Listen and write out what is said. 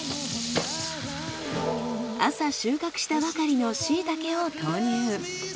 朝収穫したばかりのしいたけを投入。